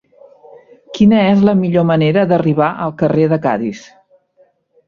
Quina és la millor manera d'arribar al carrer de Cadis?